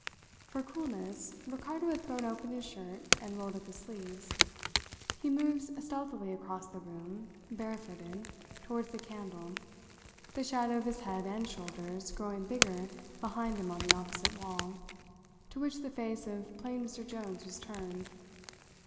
For coolness, Ricardo had thrown open his shirt and rolled up his sleeves. He moved stealthily across the room, bare footed, towards the candle, the shadow of his head and shoulders growing bigger behind him on the opposite wall, to which the face of plain Mr. Jones was turned.